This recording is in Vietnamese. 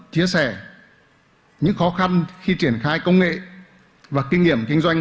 chia sẻ những khó khăn khi triển khai công nghệ và kinh nghiệm kinh doanh